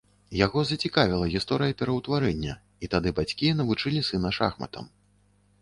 Яго зацікавіла гісторыя пераўтварэння, і тады бацькі навучылі сына шахматам.